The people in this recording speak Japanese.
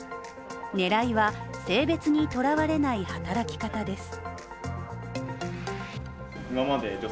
狙いは性別にとらわれない働き方です。